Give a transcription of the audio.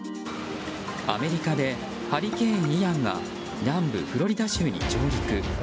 アメリカでハリケーンイアンが南部フロリダ州に上陸。